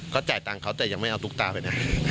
ก็จ่ายตังค์เขาแต่ยังไม่เอาตุ๊กตาไปนะ